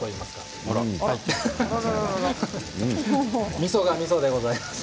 みそがみそでございます。